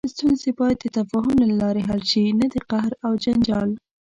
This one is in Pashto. ستونزې باید د تفاهم له لارې حل شي، نه د قهر او جنجال.